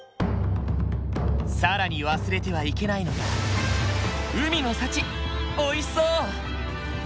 更に忘れてはいけないのがおいしそう！